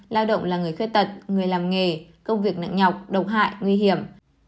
lao động là người khuyết tật người làm nghề công việc nặng nhọc độc hại nguy hiểm